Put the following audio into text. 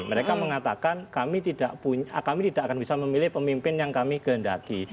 mereka mengatakan kami tidak akan bisa memilih pemimpin yang kami kehendaki